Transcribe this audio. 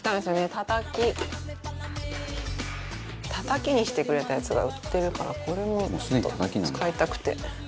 たたきにしてくれたやつが売ってるからこれもちょっと使いたくて。